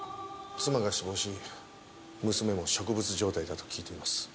妻が死亡し娘も植物状態だと聞いています。